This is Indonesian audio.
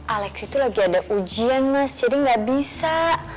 alex itu lagi ada ujian mas jadi gak bisa